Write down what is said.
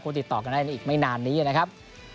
ติดต่อกันได้ในอีกไม่นานนี้นะครับ